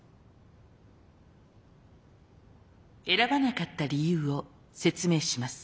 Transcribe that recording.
選ばなかった理由を説明します。